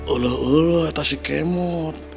uluh uluh tasik kemot